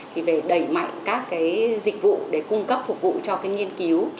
thì về đẩy mạnh các cái dịch vụ để cung cấp phục vụ cho cái nghiên cứu